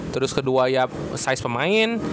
terus kedua ya size pemain